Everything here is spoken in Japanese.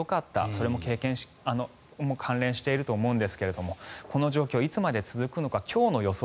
それも関連していると思うんですがこの状況がいつまで続くのか今日の予想